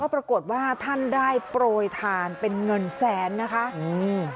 ปรากฏว่าท่านได้โปรยทานเป็นเงินแสนนะคะอืม